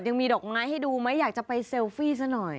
ยังมีดอกไม้ให้ดูไหมอยากจะไปเซลฟี่ซะหน่อย